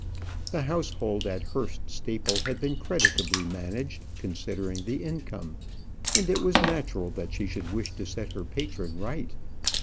The household at Hurst Staple had been creditably managed, considering the income; and it was natural that she should wish to set her patron right.